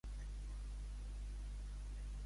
Aquesta cerimònia rep un únic nom?